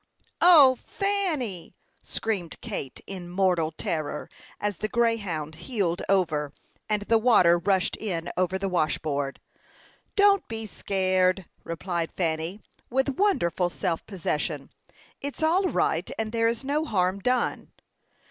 "O, Fanny!" screamed Kate, in mortal terror, as the Greyhound heeled over, and the water rushed in over the washboard. "Don't be scared," replied Fanny, with wonderful self possession. "It's all right, and there is no harm done."